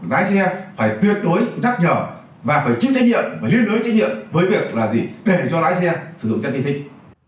lái xe phải tuyệt đối rắc nhỏ và phải chức trách nhiệm phải liên lưới trách nhiệm với việc là gì để cho lái xe sử dụng chất kỳ thích